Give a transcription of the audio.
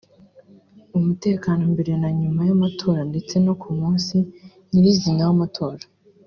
umutekano mbere na nyuma y’amatora ndetse no ku munsi nyir’izina w’amatora